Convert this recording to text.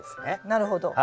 なるほど。